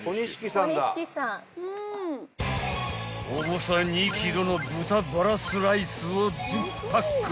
［重さ２ｋｇの豚バラスライスを１０パック］